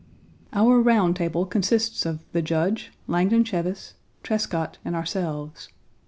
Our round table consists of the Judge, Langdon Cheves, 1 Trescott, 2 and ourselves.